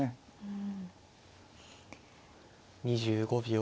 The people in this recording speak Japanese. ２５秒。